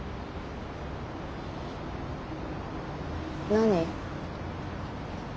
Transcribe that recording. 何？